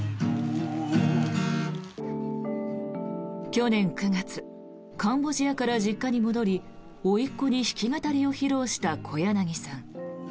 去年９月カンボジアから実家に戻りおいっ子に弾き語りを披露した小柳さん。